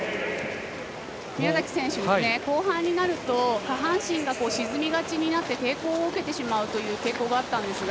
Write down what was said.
宮崎選手後半になると下半身が沈みがちになって抵抗を受けてしまうという傾向があったんですが